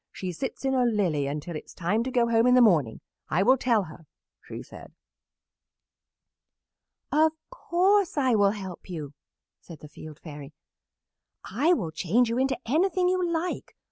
She sits in a lily until it is time to go home in the morning. I will tell her,' she said." "'Of course I will help you," said the Field Fairy. "I will change you into anything you like.